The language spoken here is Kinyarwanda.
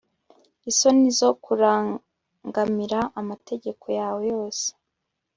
isoni zo kurangamira amategeko yawe yose